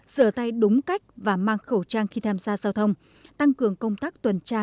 sửa tay đúng cách và mang khẩu trang khi tham gia giao thông tăng cường công tác tuần tra